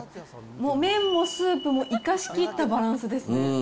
もう麺もスープも生かしきったバランスですね。